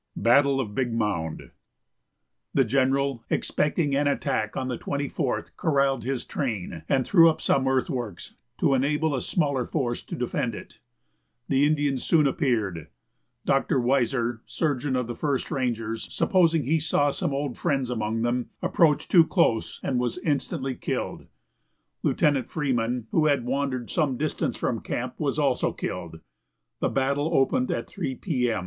BATTLE OF BIG MOUND. The general, expecting an attack on the 24th, corralled his train, and threw up some earthworks to enable a smaller force to defend it. The Indians soon appeared. Dr. Weiser, surgeon of the First Rangers, supposing he saw some old friends among them, approached too close and was instantly killed. Lieutenant Freeman, who had wandered some distance from the camp, was also killed. The battle opened at three p. m.